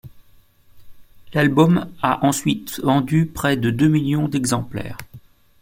L'album a ensuite vendu près de deux millions d'exemplaires.